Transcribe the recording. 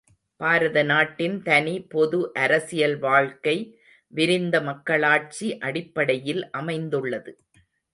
பாரத நாட்டின் தனி பொது அரசியல் வாழ்க்கை விரிந்த மக்களாட்சி அடிப்படையில் அமைந்துள்ளது.